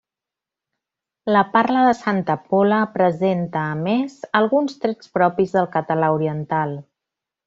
La parla de Santa Pola presenta, a més, alguns trets propis del català oriental.